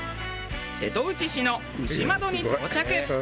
瀬戸内市の牛窓に到着。